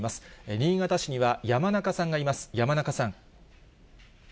新潟市には山中さんがいます。